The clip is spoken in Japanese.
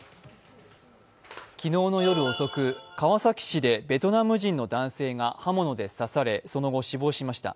昨日の夜遅く、川崎市でベトナム人の男性が刃物で刺され、その後、死亡しました。